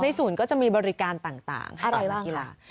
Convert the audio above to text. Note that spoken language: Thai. ศูนย์ก็จะมีบริการต่างให้รายวันกีฬา